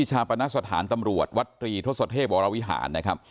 ที่ชาปณะสถานตำรวจวัดตรีทศเทพบรววิหาร